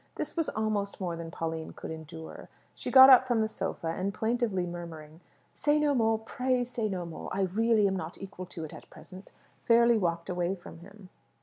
This was almost more than Pauline could endure. She got up from the sofa, and plaintively murmuring, "Say no more; pray say no more. I really am not equal to it at present," fairly walked away from him.